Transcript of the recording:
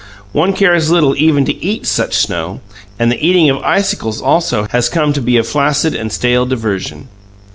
One cares little even to eat such snow, and the eating of icicles, also, has come to be a flaccid and stale diversion.